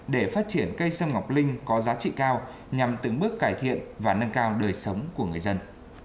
để phát triển cây sâm ngọc linh có giá trị cao nhằm từng bước cải thiện và nâng cao đời sống của người dân